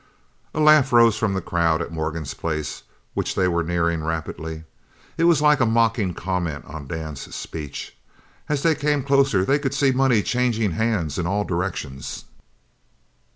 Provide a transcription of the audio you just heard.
A laugh rose from the crowd at Morgan's place, which they were nearing rapidly. It was like a mocking comment on Dan's speech. As they came closer they could see money changing hands in all directions.